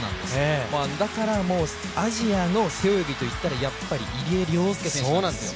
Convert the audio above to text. だからアジアの背泳ぎといったら、やっぱり入江陵介選手なんですよ。